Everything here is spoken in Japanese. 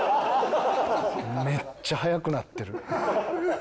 めっちゃ早くなってる。